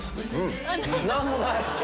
何もない！